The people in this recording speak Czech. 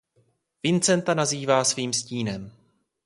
Vincenta nazývá svým stínem.